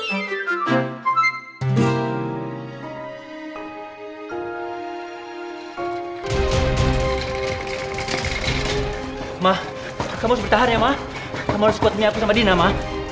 oma kamu harus bertahan ya oma kamu harus kuat demi aku sama dina oma